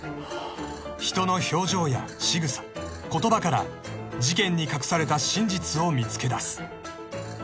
［人の表情やしぐさ言葉から事件に隠された真実を見つけ出す］